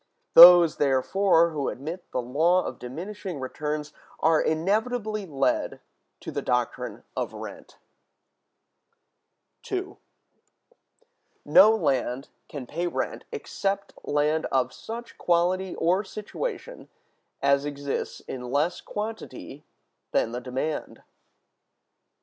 Those, therefore, who admit the law of diminishing returns are inevitably led to the doctrine of rent. § 2. No Land can pay Rent except Land of such Quality or Situation as exists in less Quantity than the Demand.